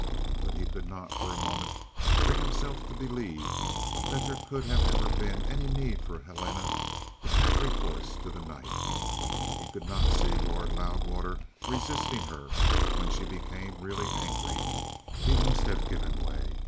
But he could not for a moment bring himself to believe that there could have ever been any need for Helena to have recourse to the knife. He could not see Lord Loudwater resisting her when she became really angry; he must have given way.